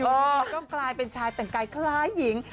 แล้วก็กลายเป็นชายแต่งกายคล้ายหญิง